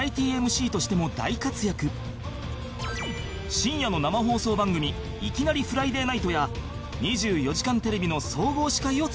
深夜の生放送番組『いきなり！フライデーナイト』や『２４時間テレビ』の総合司会を務めた